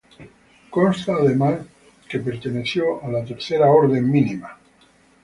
Consta, además, que perteneció a la Tercera Orden Mínima.